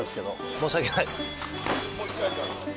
申し訳ないです。